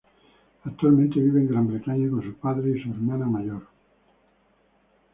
Actualmente vive en Gran Bretaña con sus padres y su hermana mayor.